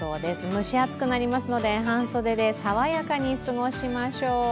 蒸し暑くなりますので、半袖で爽やかに過ごしましょう。